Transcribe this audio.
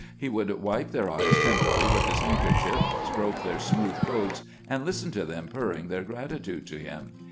He would wipe their eyes tenderly with his handker chief, stroke their smooth coats, and listen to them purring their gratitude to him.